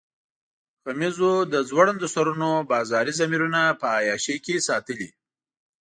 غمیزو د ځوړندو سرونو بازاري ضمیرونه په عیاشۍ کې ساتلي.